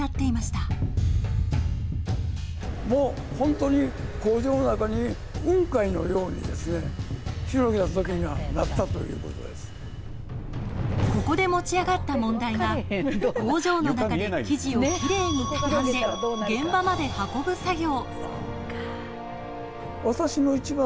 ただ工場の中はここで持ち上がった問題は工場の中で生地をきれいに畳んで現場まで運ぶ作業。